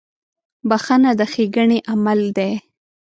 • بخښنه د ښېګڼې عمل دی.